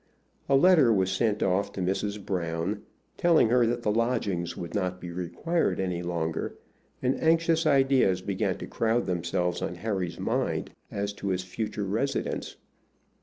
A letter was sent off to Mrs. Brown, telling her that the lodgings would not be required any longer, and anxious ideas began to crowd themselves on Harry's mind as to his future residence.